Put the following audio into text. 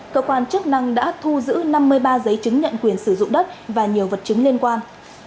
cơ quan chức năng đã thu giữ năm mươi ba giấy chứng nhận quyền sử dụng đất và nhiều vật chứng liên quan